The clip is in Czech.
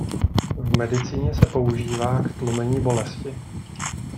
V medicíně se používá k tlumení bolesti.